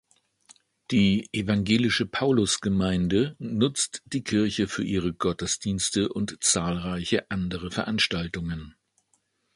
Die "Evangelische Paulusgemeinde" nutzt die Kirche für ihre Gottesdienste und zahlreiche andere Veranstaltungen.